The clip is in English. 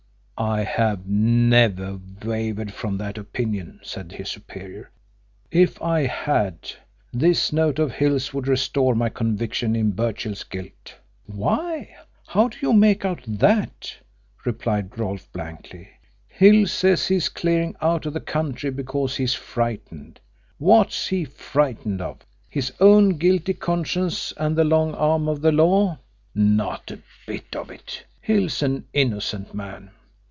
"I have never wavered from that opinion," said his superior. "If I had, this note of Hill's would restore my conviction in Birchill's guilt." "Why, how do you make out that?" replied Rolfe blankly. "Hill says he's clearing out of the country because he's frightened. What's he frightened of? His own guilty conscience and the long arm of the law? Not a bit of it! Hill's an innocent man.